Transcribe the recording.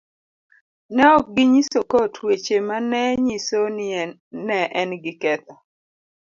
Ne ok ginyiso kot weche ma ne nyiso ni ne en gi ketho